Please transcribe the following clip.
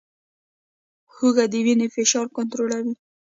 هوږه د وینې فشار کنټرولوي